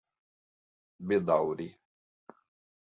bedaŭri